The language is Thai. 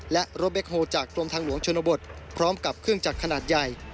และรถแคคโฮลจากกรมทางหลวงชนบทพร้อมกับเครื่องจักรขนาดใหญ่